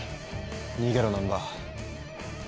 逃げろ難破。